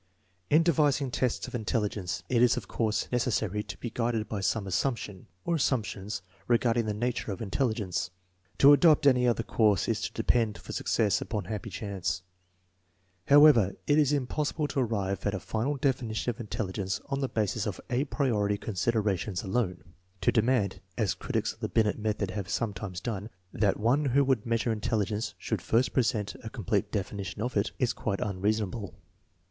In devising tests of intelligence it is, of course, necessary to be guided by some assumption, or assumptions, regarding the nature of intelligence. To adopt any other course is to depend for success upon happy chance. However, it is impossible to arrive at a final definition of intelligence on the basis of a prlori considerations alone. To demand, as critics of the Binet method have sometimes done, that one who would measure intelligence should first present a complete definition of it, is quite unreasonable.